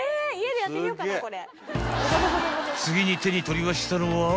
［次に手に取りましたのは］